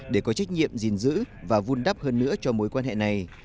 để có trách nhiệm gìn giữ và vun đắp hơn nữa cho mối quan hệ này